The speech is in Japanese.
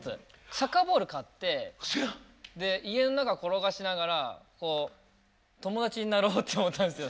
サッカーボール買って家の中転がしながら友達になろうって思ったんですよ